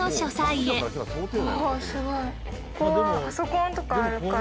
ここはパソコンとかあるから。